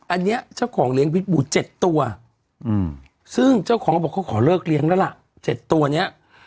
อันนี้เจ้าของเลี้ยพิษบู๗ตัวซึ่งเจ้าของเขาบอกเขาขอเลิกเลี้ยงแล้วล่ะ๗ตัวนี้